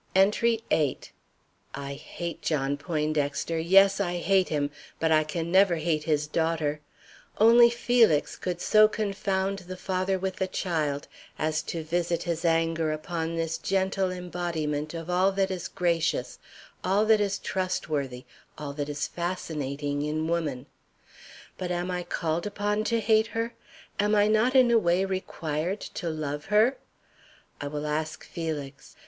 ENTRY VIII. I hate John Poindexter, yes, I hate him, but I can never hate his daughter. Only Felix could so confound the father with the child as to visit his anger upon this gentle embodiment of all that is gracious, all that is trustworthy, all that is fascinating in woman. But am I called upon to hate her? Am I not in a way required to love her? I will ask Felix.